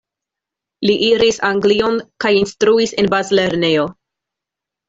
Li iris Anglion kaj instruis en bazlernejo.